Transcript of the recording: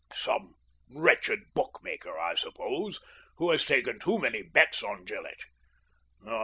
Some wretched bookmaker, I suppose, who has taken too many bets on Gillctt.